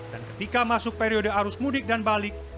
dan ketika masuk periode arus mudik dan balik